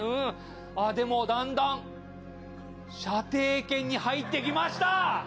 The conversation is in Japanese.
でも、だんだん射程圏に入ってきました。